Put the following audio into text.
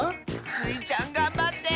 スイちゃんがんばって！